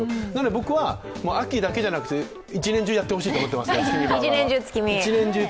僕は秋だけじゃなくて、１年中やってほしいと思ってます、月見バーガーは。